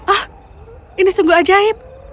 ah ini sungguh ajaib